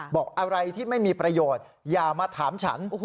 บอกอะไรที่ไม่มีประโยชน์อย่ามาถามฉัน